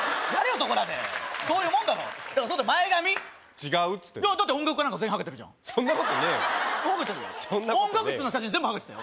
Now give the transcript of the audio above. そこらでそういうもんだろだからそうだ前髪違うっつってんのいやだって音楽家なんか全員ハゲてるじゃんそんなことねえわハゲてるよ音楽室の写真全部ハゲてたよ